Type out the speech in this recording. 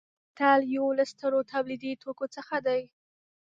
بوتل یو له سترو تولیدي توکو څخه دی.